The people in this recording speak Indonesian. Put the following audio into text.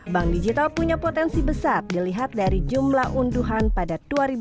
bank digital punya potensi besar dilihat dari jumlah unduhan pada dua ribu dua puluh